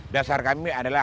dasar kami adalah